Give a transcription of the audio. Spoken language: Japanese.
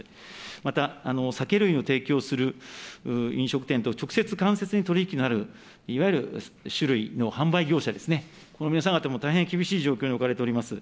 また酒類を提供する飲食店と直接、間接に取り引きのあるいわゆる酒類の販売業者ですね、この皆さん方も大変厳しい状況に置かれております。